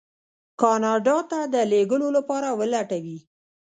کاناډا ته د لېږلو لپاره ولټوي.